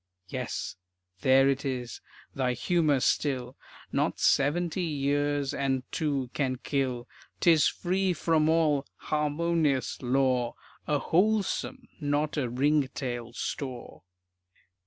Yes, there it is, thy humor still, Not seventy years and two can kill. 'Tis free from all "harmonious" lore, A "wholesome" not a "ringtail" store.